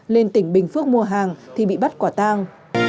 lên tỉnh bình phước mua hàng thì bị bắt quả tang